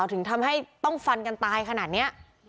ถึงทำให้ต้องฟันกันตายขนาดนี้